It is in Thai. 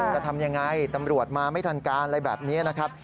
จะทำยังไงตำรวจมาไม่ทันการอะไรแบบนี้นะครับ